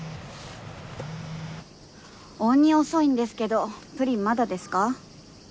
鬼遅いんですけどプリンまだですか？